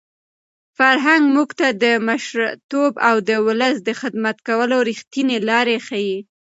فرهنګ موږ ته د مشرتوب او د ولس د خدمت کولو رښتینې لارې ښيي.